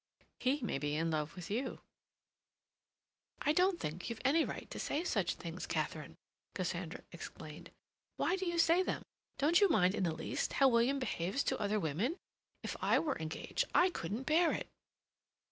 "He may be in love with you." "I don't think you've any right to say such things, Katharine," Cassandra exclaimed. "Why do you say them? Don't you mind in the least how William behaves to other women? If I were engaged, I couldn't bear it!"